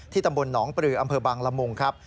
ตำบลหนองปลืออำเภอบางละมุงครับ